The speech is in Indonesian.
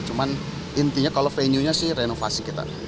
cuman intinya kalau venue nya sih renovasi kita